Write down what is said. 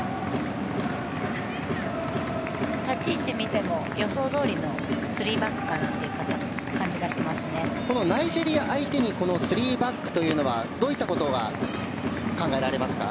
立ち位置を見ても予想どおりの３バックかなというナイジェリア相手に３バックというのはどういったことが考えられますか？